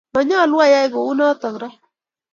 Manyalu ayai ko u notok ra.